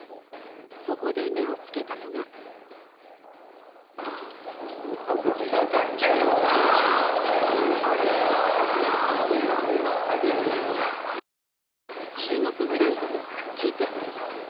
そこで目をつけたのが中国ブランドのクッキー店です